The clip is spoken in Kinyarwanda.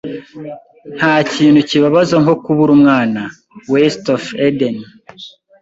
Ntakintu kibabaza nko kubura umwana. (WestofEden)